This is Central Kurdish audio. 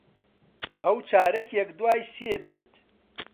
ئەو چارەکێک دوای سێ دێت.